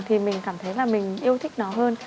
thì mình cảm thấy là mình yêu thích nó hơn